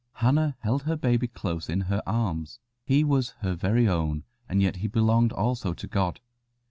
] Hannah held her baby close in her arms. He was her very own, and yet he belonged also to God.